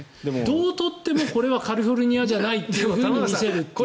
どう撮ってもこれはカリフォルニアじゃないというように見せるという。